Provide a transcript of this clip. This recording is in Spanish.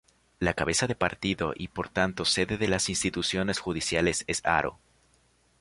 La cabeza de partido y por tanto sede de las instituciones judiciales es Haro.